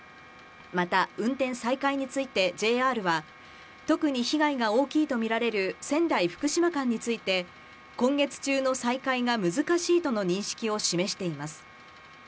また運転再開についてＪＲは、特に被害が大きいと見られる仙台・福島間について、今月中の再開が難しいとの認識を示しています。